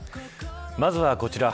まずはこちら。